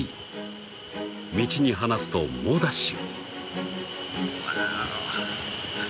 ［道に放すと猛ダッシュ］